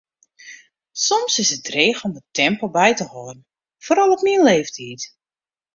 Soms is it dreech om it tempo by te hâlden, foaral op myn leeftiid.